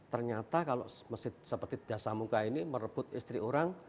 ternyata kalau masjid seperti dasar muka ini merebut istri orang